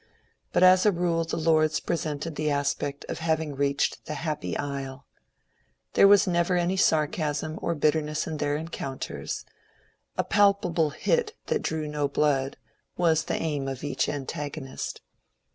But as a rule the Lords presented the aspect of having reached the Happy Isle. There was never any sarcasm or bitterness in their encounters ; a ^^ palpable hit " that drew no blood was the aim of each antagonist.